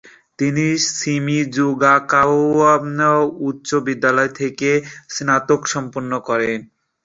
তিনি শিমিজুগাওকা উচ্চ বিদ্যালয় থেকে স্নাতক সম্পন্ন করেন।